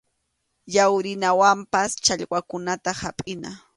Yawrinawanpas challwakuna hapʼina.